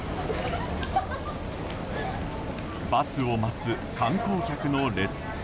バスを待つ観光客の列。